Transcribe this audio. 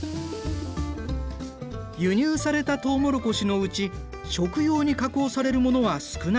輸入されたとうもろこしのうち食用に加工されるものは少ない。